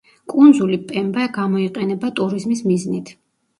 კუნძული პემბა გამოიყენება ტურიზმის მიზნით.